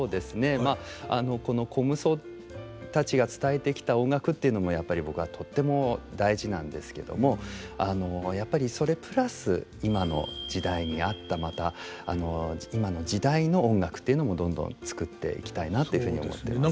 まあこの虚無僧たちが伝えてきた音楽っていうのもやっぱり僕はとっても大事なんですけどもやっぱりそれプラス今の時代に合ったまた今の時代の音楽というのもどんどん作っていきたいなっていうふうに思ってます。